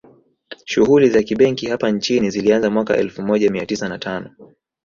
Shughuli za kibenki hapa nchini zilianza mwaka elfu moja mia tisa na tano